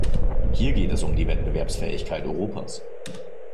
Hier geht es um die Wettbewerbsfähigkeit Europas.